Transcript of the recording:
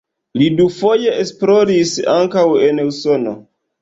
Li dufoje esploris ankaŭ en Usono.